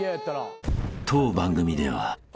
［当番組では］